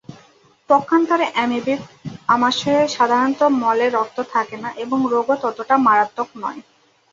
পক্ষান্তরে অ্যামিবিক আমাশয়ে সাধারণত মলে রক্ত থাকে না এবং রোগও ততটা মারাত্মক নয়।